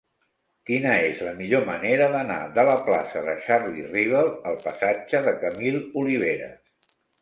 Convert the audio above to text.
Quina és la millor manera d'anar de la plaça de Charlie Rivel al passatge de Camil Oliveras?